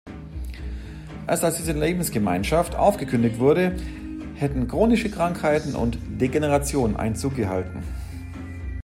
Erst als diese „Lebensgemeinschaft“ aufgekündigt wurde, hätten chronische Krankheiten und „Degeneration“ Einzug gehalten.